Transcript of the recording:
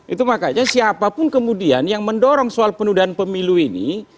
itu makanya siapapun kemudian yang mendorong soal penundaan pemilu ini